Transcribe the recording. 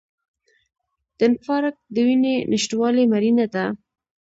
د انفارکټ د وینې نشتوالي مړینه ده.